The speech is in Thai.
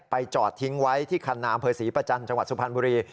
จอดทิ้งไว้ที่คันนามเภอศรีประจันทร์จังหวัดสุพรรณบุรี